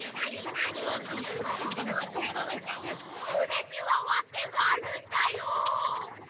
これにはわけがあるんだよ。